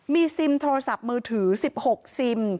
มีซิมโทรศัพท์มือถือ๑๖ซิม